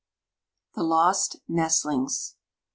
=The Lost Nestlings.